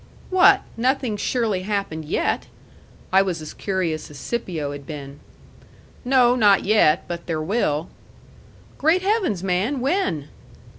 "What? Nothing surely happened yet?" I was as curious as Scipio had been. "No, not yet. But there will." "Great Heavens, man! when?"